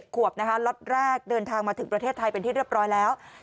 ขวบนะคะล็อตแรกเดินทางมาถึงประเทศไทยเป็นที่เรียบร้อยแล้ว